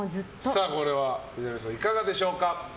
これは南野さんいかがでしょうか。